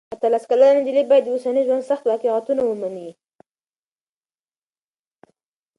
اتلس کلنه نجلۍ باید د اوسني ژوند سخت واقعیتونه ومني.